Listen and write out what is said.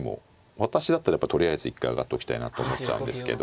私だったらとりあえず一回上がっておきたいなと思っちゃうんですけど